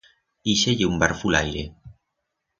Ixe ye un barfulaire.